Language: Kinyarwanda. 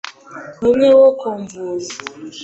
Numwe wo kumvuza